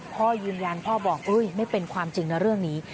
พ่อยืนยันพ่อบอกไม่เป็นความจริงนะเรื่องนี้